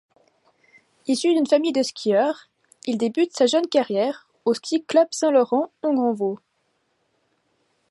Issu d'une famille de skieurs, il débute sa jeune carrière au ski club Saint-Laurent-en-Grandvaux.